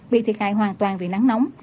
bị thiệt hại hoàn toàn vì nắng nóng